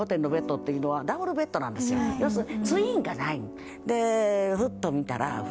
要するにツインがない。